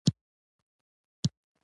د مسلک او کسب په انتخاب کې خپلواک نه و.